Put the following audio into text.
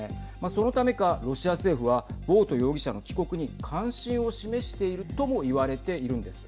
そのためか、ロシア政府はボウト容疑者の帰国に関心を示しているともいわれているんです。